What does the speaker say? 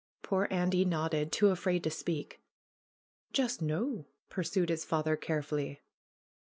Poor Andy nodded, too afraid to speak. "Just noo?" pursued his father carefully.